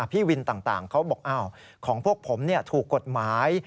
พี่วินต่างเขาบอกของพวกผมถูกกฎหมาย